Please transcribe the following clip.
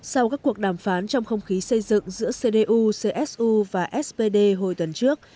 sau các cuộc đàm phán trong không khí xây dựng giữa cdu csu và spd hồi tuần trước